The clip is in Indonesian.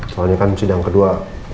soalnya kan sidang kedua